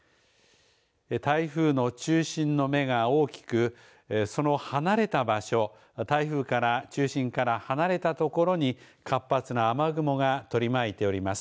台風の中心の目が大きくその離れた場所台風から中心から離れたところに活発な雨雲が取り巻いております。